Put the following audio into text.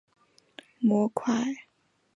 模块包含所有功能组件。